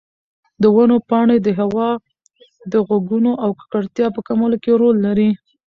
د ونو پاڼې د هوا د غږونو او ککړتیا په کمولو کې رول لري.